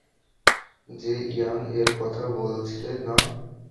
যে ইয়াং এর কথা বলেছিলে না?